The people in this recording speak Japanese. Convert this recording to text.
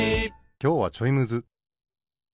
きょうはちょいむず。